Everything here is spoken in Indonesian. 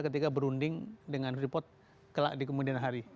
ketika berunding dengan freeport di kemudian hari